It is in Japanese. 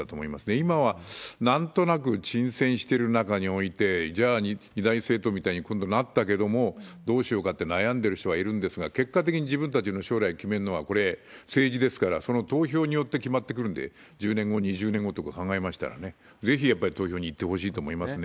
今はなんとなく沈潜してる中において、じゃあ、二大政党みたいに今度なったけれども、どうしようかって悩んでる人がいるんですが、結果的に自分たちの将来決めるのは、これ、政治ですから、その投票によって決まってくるんで、１０年後、２０年後とか考えましたらね、ぜひやっぱり投票に行ってほしいと思いますね。